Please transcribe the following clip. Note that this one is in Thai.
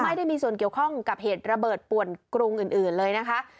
ไม่ได้มีส่วนเกี่ยวข้องกับเหตุระเบิดป่วนกรุงอื่นเลยนะคะ